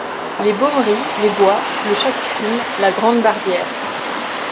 Les Baumeries, les Bois, le Chat qui Fume, la Grande Bardière.